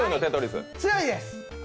強いです！